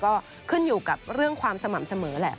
ก็ขึ้นอยู่กับเรื่องความสม่ำเสมอแหละ